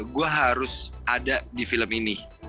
gue harus ada di film ini